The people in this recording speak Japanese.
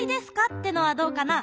ってのはどうかな？